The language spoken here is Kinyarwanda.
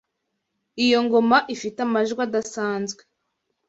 Iyo ngoma ifite amajwi adasanzwe.